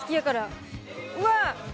うわっ！